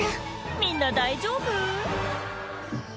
みんな大丈夫？